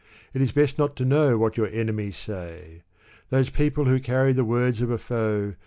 It is best not to know what your enemies say ! Those people who carry the words of a foe.